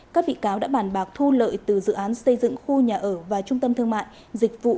các bị cáo đã bản bạc thu lợi từ dự án xây dựng khu nhà ở và trung tâm thương mại dịch vụ